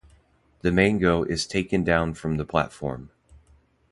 The mango is taken down from the platform.